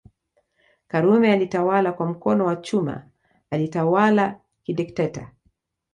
Karume alitawala kwa mkono wa chuma alitawala kidikteta